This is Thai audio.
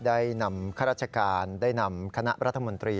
ได้นำข้าราชการได้นำคณะรัฐมนตรี